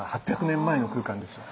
８００年前の空間ですよ。